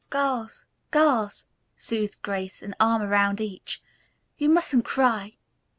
"Girls, girls," soothed Grace, an arm around each, "you mustn't cry."